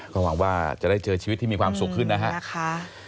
ก็หวังว่าจะได้เจอชีวิตที่มีความสุขขึ้นนะฮะ